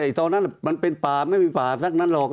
ตอนนั้นมันเป็นป่าไม่มีป่าสักนั้นหรอก